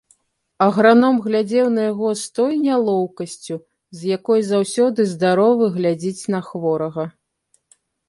Аграном глядзеў на яго з той нялоўкасцю, з якой заўсёды здаровы глядзіць на хворага.